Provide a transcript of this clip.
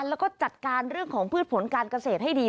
แล้วก็จัดการเรื่องของพืชผลการเกษตรให้ดี